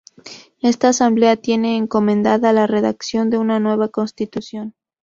Esta asamblea tiene encomendada la redacción de una nueva constitución.